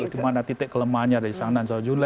dimana titik kelemahnya dari zhang nan zhao yunle